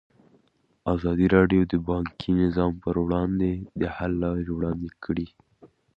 ازادي راډیو د بانکي نظام پر وړاندې د حل لارې وړاندې کړي.